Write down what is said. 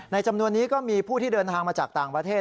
จำนวนนี้ก็มีผู้ที่เดินทางมาจากต่างประเทศ